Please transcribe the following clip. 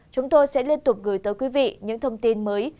chúng tôi sẽ liên tục gửi tới quý vị những thông tin mới